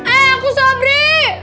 eh aku sabri